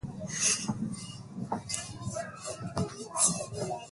Mwamba wangu wa kale.